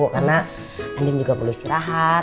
karena andin juga perlu istirahat